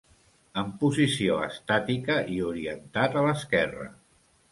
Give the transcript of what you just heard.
En posició estàtica i orientat a l'esquerra.